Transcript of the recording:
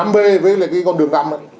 năm b với lại cái con đường năm